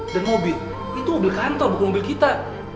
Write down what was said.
mobil itu mobil kantor bukan mobil kita